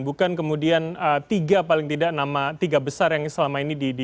bukan kemudian tiga paling tidak nama tiga besar yang selama ini di